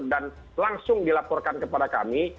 dan langsung dilaporkan kepada kami